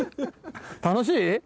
楽しい？